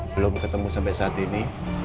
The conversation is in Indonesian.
belum ketemu sampai saat ini